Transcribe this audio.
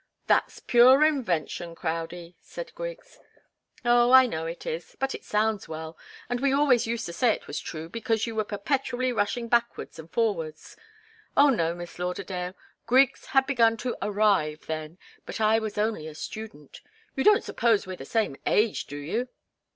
"That's pure invention, Crowdie," said Griggs. "Oh, I know it is. But it sounds well, and we always used to say it was true because you were perpetually rushing backwards and forwards. Oh, no, Miss Lauderdale Griggs had begun to 'arrive' then, but I was only a student. You don't suppose we're the same age, do you?"